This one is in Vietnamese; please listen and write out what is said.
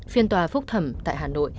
phiên tòa phúc thẩm tại hà nội